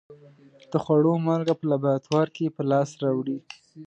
د خوړو مالګه په لابراتوار کې په لاس راوړي.